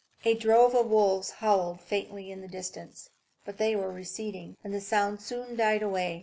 A drove of wolves howled faintly in the distance, but they were receding, and the sound soon died away.